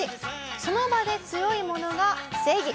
その場で強いものが正義。